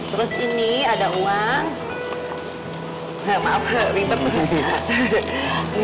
terus ini ada uang